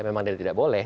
memang dari tidak boleh